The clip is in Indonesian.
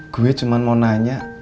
gue cuman mau nanya